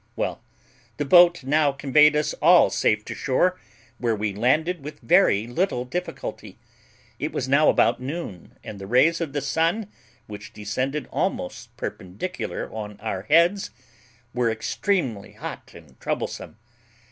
Well, the boat now conveyed us all safe to shore, where we landed with very little difficulty. It was now about noon, and the rays of the sun, which descended almost perpendicular on our heads, were extremely hot and troublesome.